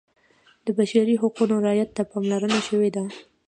د بشري حقونو رعایت ته پاملرنه شوې ده.